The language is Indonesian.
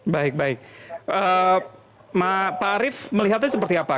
baik baik pak arief melihatnya seperti apa